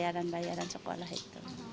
bayaran bayaran sekolah itu